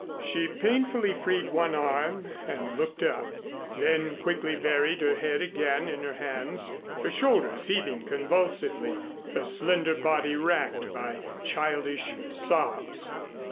She painfully freed one arm, and looked up; then quickly buried her head again in her hands, her shoulders heaving convulsively, her slender body racked by childish sobs.